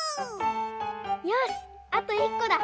よしあといっこだ！